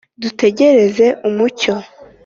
Dutegereze umucyo.